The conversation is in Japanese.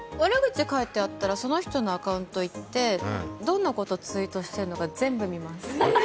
その人のアカウントいって、どんなことツイートしてるのか全部見ます。